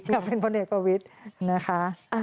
อยากเป็นผู้เด็กประวิทธิ์